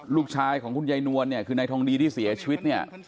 ลูกชายของคุณยายนวลคือในทองดีที่เสียชีวิต